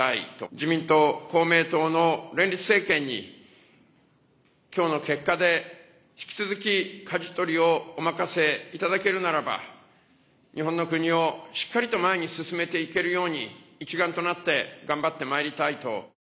自民党、公明党の連立政権にきょうの結果で引き続き、かじ取りをお任せいただけるのであれば日本の国をしっかりと前に進めていけるように一丸となって頑張ってまいりたいと。